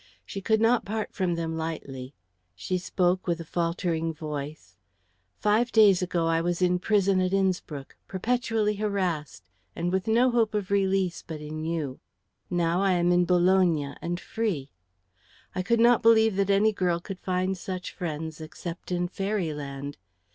She could not part from them lightly; she spoke with a faltering voice: "Five days ago I was in prison at Innspruck, perpetually harassed and with no hope of release but in you. Now I am in Bologna, and free. I could not believe that any girl could find such friends except in fairyland.